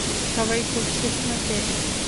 সবাই খুঁজছে তোমাকে।